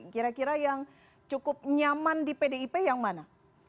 kira kira yang cukup nyaman di pdip yang mana